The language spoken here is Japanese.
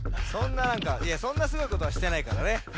そんないやそんなすごいことはしてないからね。